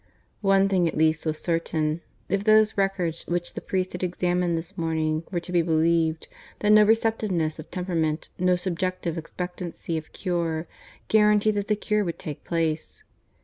One thing at least was certain, if those records which the priest had examined this morning were to be believed, that no receptiveness of temperament, no subjective expectancy of cure, guaranteed that the cure would take place.